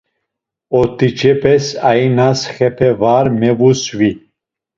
Ort̆iç̌epes, ainas xepe var mevusvi.